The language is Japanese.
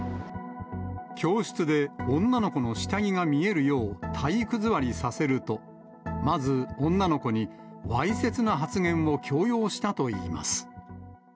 教室で女の子の下着が見えるよう体育座りさせると、まず女の子にわいせつな発言を強要したといいます。